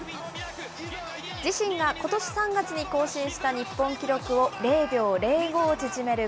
自身がことし３月に更新した日本記録を０秒０５縮める